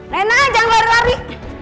rena jangan lari lari